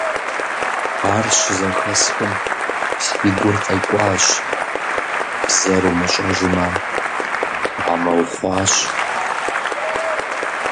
Ар щызэхэсхым, си гур къекӀуащ, бзэр умыщӀэжмэ, хамэ ухъуащ.